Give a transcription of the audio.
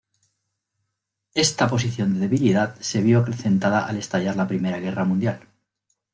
Esta posición de debilidad se vio acrecentada al estallar la Primera Guerra Mundial.